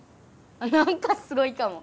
なんかすごいかも。